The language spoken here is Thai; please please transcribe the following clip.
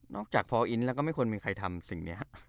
จากฟอร์อินทแล้วก็ไม่ควรมีใครทำสิ่งนี้